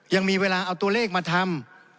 ยังมีเวลาเอาตัวเลขมาทำ